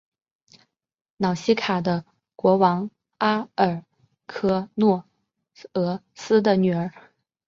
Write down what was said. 瑙西卡的国王阿尔喀诺俄斯的女儿。